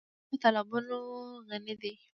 افغانستان په تالابونه غني دی.